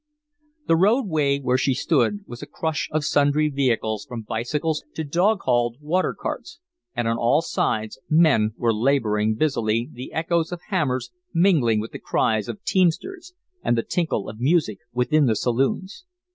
The roadway where she stood was a crush of sundry vehicles from bicycles to dog hauled water carts, and on all sides men were laboring busily, the echo of hammers mingling with the cries of teamsters and the tinkle of music within the saloons.